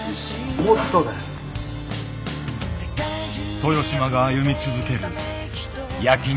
豊島が歩み続ける焼肉